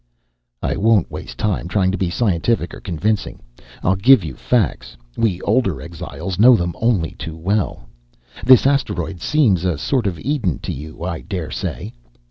"I won't waste time trying to be scientific or convincing. I'll give you facts we older exiles know them only too well. This asteroid seems a sort of Eden to you, I daresay."